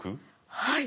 はい！